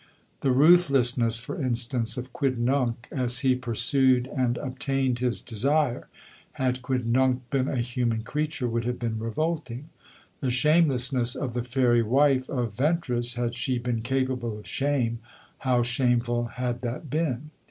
The ruthlessness, for instance, of Quidnunc as he pursued and obtained his desire, had Quidnunc been a human creature, would have been revolting; the shamelessness of the fairy wife of Ventris had she been capable of shame, how shameful had that been!